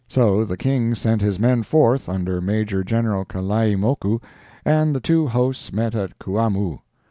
So the King sent his men forth under Major General Kalaimoku and the two hosts met at Kuamoo.